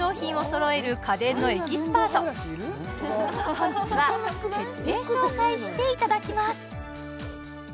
本日は徹底紹介していただきます